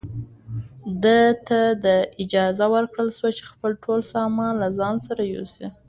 ده ته اجازه ورکړل شوه چې خپل ټول سامان له ځان سره یوسي.